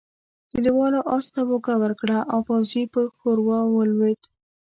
کليوالو آس ته اوږه ورکړه او پوځي پر ښوروا ولوېد.